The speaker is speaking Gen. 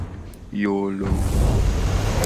Yoo loo.